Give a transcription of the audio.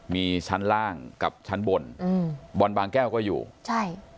มีชั้นล่างกับชั้นบนอืมบอลบางแก้วก็อยู่ใช่